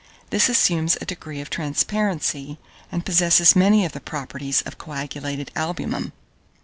This assumes a degree of transparency, and possesses many of the properties of coagulated albumen.